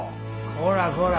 こらこら